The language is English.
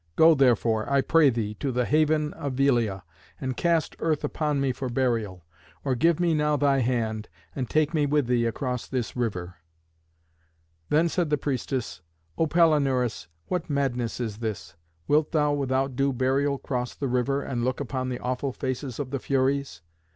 Go, therefore, I pray thee, to the haven of Velia, and cast earth upon me for burial; or give me now thy hand, and take me with thee across this river." Then said the priestess, "O Palinurus, what madness is this? Wilt thou without due burial cross the river, and look upon the awful faces of the Furies?